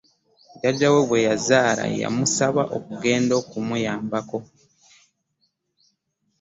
Jjajawe bwe yazaala, yamusaba okugenda okumuyambako.